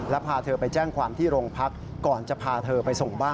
แล้วพาเธอไปแจ้งความที่โรงพักก่อนจะพาเธอไปส่งบ้าน